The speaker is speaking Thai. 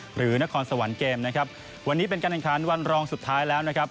หรือนครสวรรค์เกมนะครับวันนี้เป็นการแข่งขันวันรองสุดท้ายแล้วนะครับ